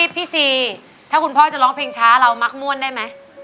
ซีถ้าคุณพ่อจะร้องเพลงช้าเรามักม่วนได้ไหม